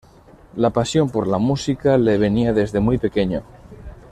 La pasión por la música le venía desde muy pequeño.